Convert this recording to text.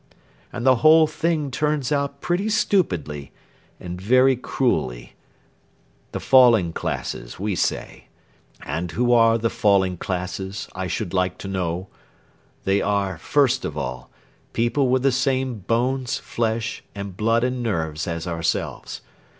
And the whole thing turns out pretty stupidly and very cruelly. The fallen classes, we say. And who are the fallen classes, I should like to know? They are, first of all, people with the same bones, flesh, and blood and nerves as ourselves.